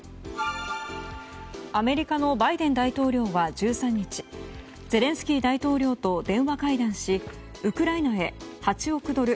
アメリカのバイデン大統領は、１３日ゼレンスキー大統領と電話会談しウクライナへ８億ドル